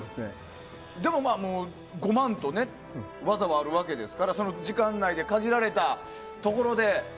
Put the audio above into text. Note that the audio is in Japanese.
でも、ごまんと技はあるわけですからその時間内で限られたところで。